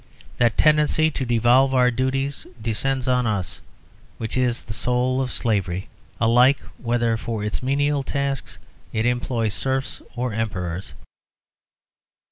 That tendency to devolve our duties descends on us, which is the soul of slavery, alike whether for its menial tasks it employs serfs or emperors.